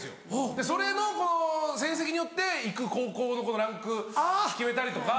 でそれのこう成績によって行く高校のランク決めたりとか。